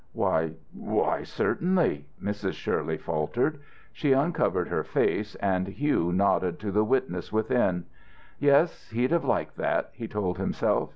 "Why why, certainly!" Mrs. Shirley faltered. She uncovered her face and Hugh nodded to the witness within. "Yes, he'd have liked that," he told himself.